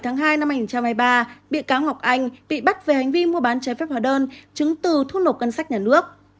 ngày bảy hai hai nghìn hai mươi ba bị cáo ngọc anh bị bắt về hành vi mua bán trái phép hoa đơn chứng từ thu nộp cân sách nhà nước